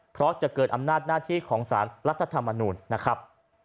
เพราะจะเกินอำนาจหน้าที่ของสารรัฐธรรมนูลนะครับ